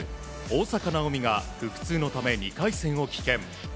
大坂なおみが腹痛のため２回戦を棄権。